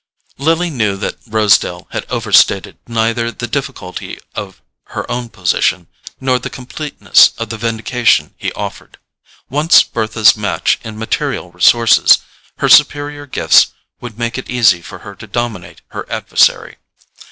Lily knew that Rosedale had overstated neither the difficulty of her own position nor the completeness of the vindication he offered: once Bertha's match in material resources, her superior gifts would make it easy for her to dominate her adversary.